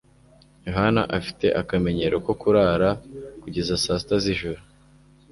Yohana afite akamenyero ko kurara kugeza saa sita z'ijoro.